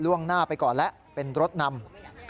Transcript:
่งหน้าไปก่อนแล้วเป็นรถนำ